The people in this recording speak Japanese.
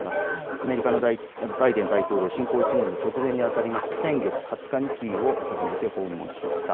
アメリカのバイデン大統領は侵攻１年の直前にあたる先月２０日にキーウを初めて訪問しました。